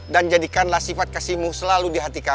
dan jadikanlah sifat kasihmu selalu di hati kami